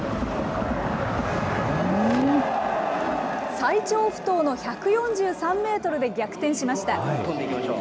最長不倒の１４３メートルで逆転しました。